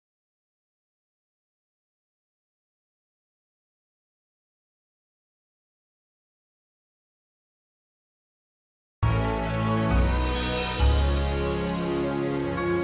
aku bisa ngerasain apa yang mama merasain